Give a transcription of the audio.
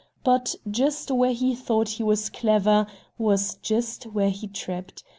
But, just where he thought he was clever, was just where he tripped.